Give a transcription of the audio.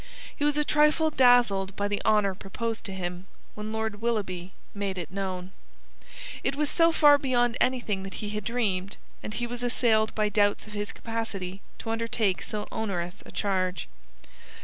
He was a trifle dazzled by the honour proposed to him, when Lord Willoughby made it known. It was so far beyond anything that he had dreamed, and he was assailed by doubts of his capacity to undertake so onerous a charge.